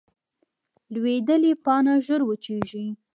لوېدلې پاڼه ژر وچېږي